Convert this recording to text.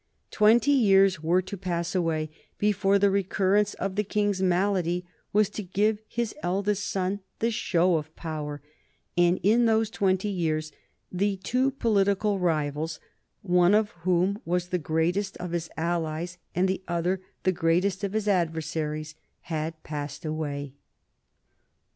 Twenty years were to pass away before the recurrence of the King's malady was to give his eldest son the show of power, and in those twenty years the two political rivals one of whom was the greatest of his allies, and the other the greatest of his adversaries had passed away.